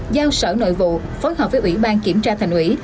giao sở nội vụ phối hợp với ủy ban kiểm tra thành ủy